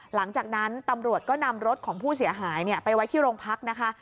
หลังจากนั้นตำรวจก็นำรถของผู้เสียหายไปไว้ที่โรงพักนะคะ